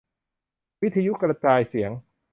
วิทยุกระจายเสียง